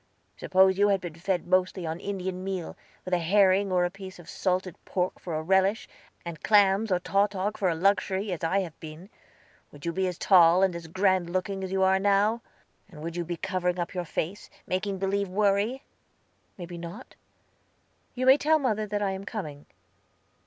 "Suppose you had been fed mostly on Indian meal, with a herring or a piece of salted pork for a relish, and clams or tautog for a luxury, as I have been, would you be as tall and as grand looking as you are now? And would you be covering up your face, making believe worry?" "May be not. You may tell mother that I am coming."